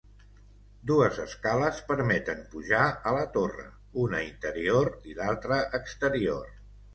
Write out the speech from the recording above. Dues escales permeten pujar a la torre, una interior i l'altra exterior.